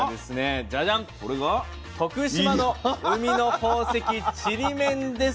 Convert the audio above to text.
徳島の海の宝石ちりめんです。